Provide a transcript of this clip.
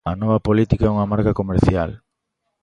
A nova política é unha marca comercial.